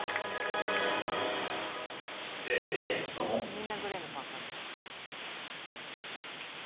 「みんなグレーのパーカだ」